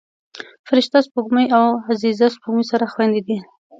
فرشته سپوږمۍ او عزیزه سپوږمۍ سره خویندې دي